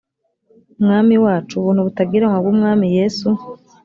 mwami wacu ubuntu butagereranywa bw umwami yesu